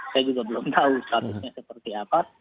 saya juga belum tahu statusnya seperti apa